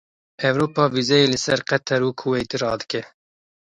Ewropa, vîzeyê li ser Qeter û Kuweytê radike.